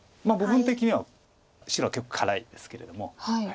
まあ部分的には白は結構辛いですけれども。